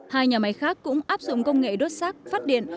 hai nhà máy khác cũng áp dụng công nghệ đốt rác phát điện